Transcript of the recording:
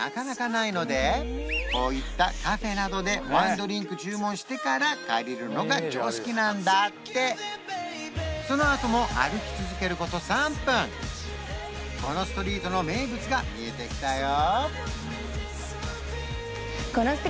こういったカフェなどでワンドリンク注文してから借りるのが常識なんだってそのあともこのストリートの名物が見えてきたよ